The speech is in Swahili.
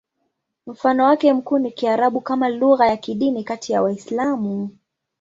Mfano wake mkuu ni Kiarabu kama lugha ya kidini kati ya Waislamu.